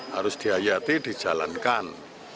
harus diayati dijalankan